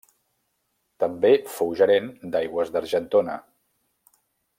També fou gerent d'Aigües d'Argentona.